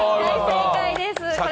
大正解です。